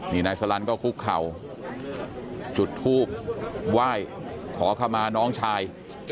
นี่นายสลันก็คุกเข่าจุดทูบไหว้ขอขมาน้องชาย